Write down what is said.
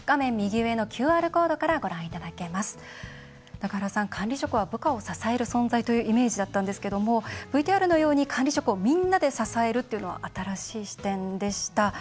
中原さん、管理職は部下を支える存在というイメージだったんですけどもＶＴＲのように管理職をみんなで支えるというのは新しい視点でした。